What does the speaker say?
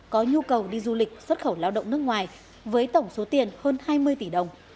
có nhu cầu đi du lịch xuất khẩu lao động nước ngoài với tổng số tiền hơn hai mươi tỷ đồng